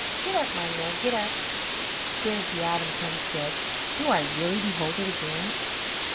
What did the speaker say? Get up, my nag, get up. There's the Adams homestead. Do I really behold it again?"